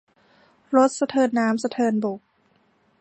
รถสะเทินน้ำสะเทินบก